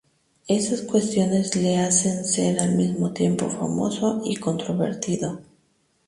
Estas cuestiones le hacen ser al mismo tiempo famoso y controvertido.